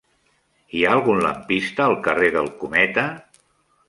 Hi ha algun lampista al carrer del Cometa?